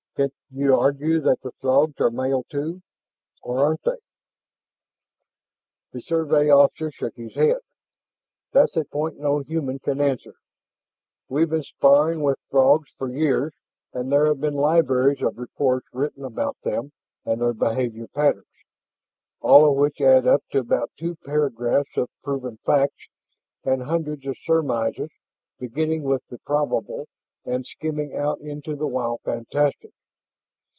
"Can't you argue that the Throgs are males, too? Or aren't they?" The Survey officer shook his head. "That's a point no human can answer. We've been sparring with Throgs for years and there have been libraries of reports written about them and their behavior patterns, all of which add up to about two paragraphs of proven facts and hundreds of surmises beginning with the probable and skimming out into the wild fantastic.